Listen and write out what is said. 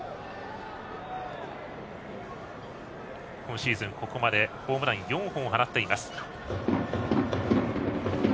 今シーズン、ここまでホームラン４本を放っています。